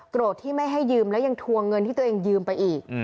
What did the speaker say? ที่ไม่ให้ยืมและยังทวงเงินที่ตัวเองยืมไปอีก